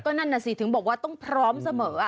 นั่นน่ะสิถึงบอกว่าต้องพร้อมเสมอ